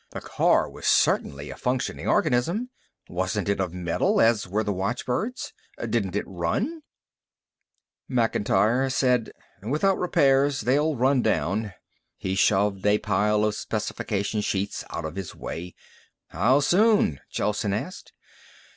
The car was certainly a functioning organism. Wasn't it of metal, as were the watchbirds? Didn't it run? Macintyre said, "Without repairs they'll run down." He shoved a pile of specification sheets out of his way. "How soon?" Gelsen asked.